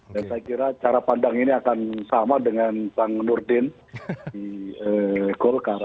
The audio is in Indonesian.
dan saya kira cara pandang ini akan sama dengan bang nurdin di golkar